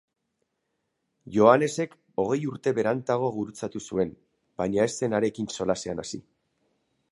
Joanesek hogei urte berantago gurutzatu zuen, baina ez zen harekin solasean hasi.